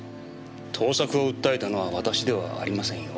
盗作を訴えたのは私ではありませんよ。